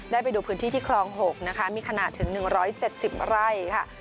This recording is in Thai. ไปดูพื้นที่ที่คลอง๖นะคะมีขนาดถึง๑๗๐ไร่ค่ะ